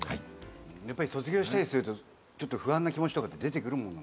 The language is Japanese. やっぱり卒業したりするとちょっと不安な気持ちとかって出てくるもんなんですか？